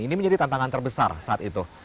ini menjadi tantangan terbesar saat itu